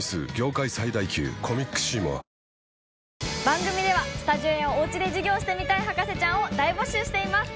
番組ではスタジオやおうちで授業してみたい博士ちゃんを大募集しています！